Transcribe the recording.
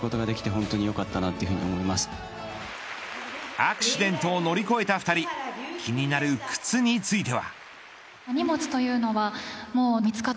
アクシデントを乗り越えた２人気になる靴については。